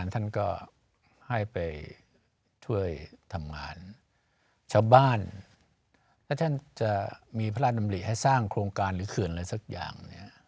ถ้าท่านจะมีพระราชดำริให้สร้างโครงการหรือเขื่อนอะไรสักอย่าง